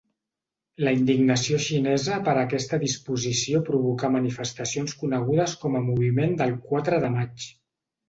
La indignació xinesa per aquesta disposició provocà manifestacions conegudes com a Moviment del quatre de maig.